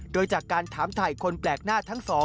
โดยจากการถามถ่ายคนแปลกหน้าทั้งสอง